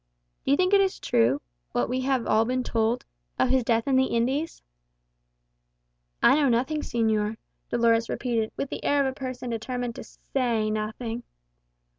"Do you think it is true what we have all been told of his death in the Indies?" "I know nothing, señor," Dolores repeated, with the air of a person determined to say nothing.